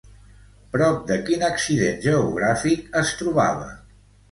Prop de quin accident geogràfic es trobava?